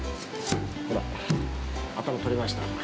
ほら頭取れました。